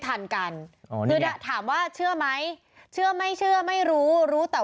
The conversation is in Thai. ทันกันอ๋อคือถามว่าเชื่อไหมเชื่อไม่เชื่อไม่รู้รู้รู้แต่